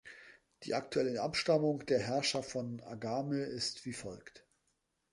Die aktuelle Abstammung der Herrscher von Agame ist wie folgt.